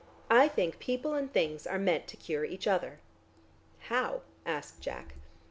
I think people and things are meant to cure each other." "How?" asked Jack.